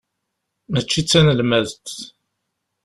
Mačči d tanelmadt.